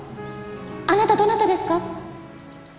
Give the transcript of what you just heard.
あなたどなたですか？